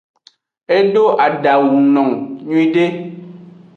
Edo adangu nung nyiude.